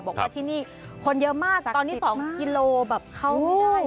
บอกว่าที่นี่คนเยอะมากตอนนี้๒กิโลแบบเข้าไม่ได้